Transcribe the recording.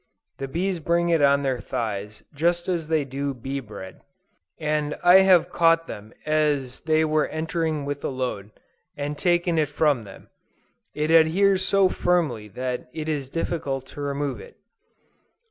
The bees bring it on their thighs just as they do bee bread; and I have caught them as they were entering with a load, and taken it from them. It adheres so firmly that it is difficult to remove it.